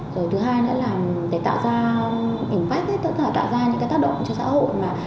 rồi thứ hai nữa là để tạo ra ảnh phát tạo ra những cái tác động cho xã hội